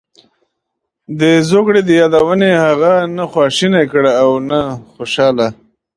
د زوکړې دې یادونې هغه نه خواشینی کړ او نه خوشاله.